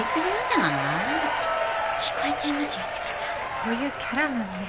そういうキャラなんで。